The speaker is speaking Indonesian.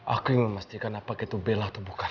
aku ingin memastikan apakah itu bela atau bukan